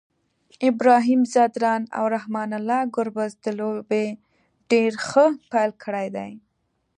ابراهیم ځدراڼ او رحمان الله ګربز د لوبي ډير ښه پیل کړی دی